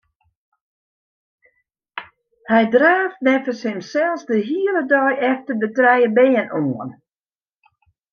Hy draaft neffens himsels de hiele dei efter de trije bern oan.